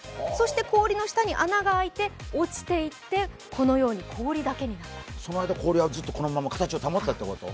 そして氷の下に穴があいて落ちていって、このように氷だけになった。